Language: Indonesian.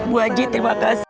bu haji terima kasih